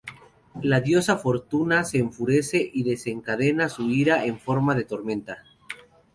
La diosa Fortuna se enfurece y desencadena su ira en forma de tormenta.